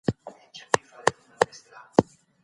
دا د عالمانو مور